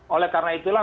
oleh karena itulah